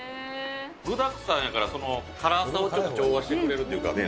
具だくさんやから、辛さを調和してくれるというかね。